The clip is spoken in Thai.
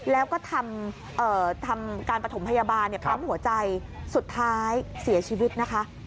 แล้วก็ทำการปฐมพยาบาลปั๊มหัวใจสุดท้ายเสียชีวิตนะคะ